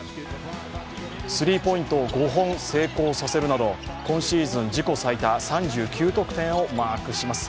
スリーポイントを５本成功させるなど今シーズン自己最多３９得点をマークします。